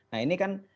nah ini kan